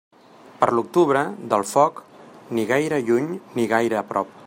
Per l'octubre, del foc, ni gaire lluny ni gaire a prop.